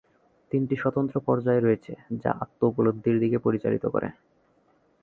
তিনটি স্বতন্ত্র পর্যায় রয়েছে যা আত্ম-উপলব্ধির দিকে পরিচালিত করে।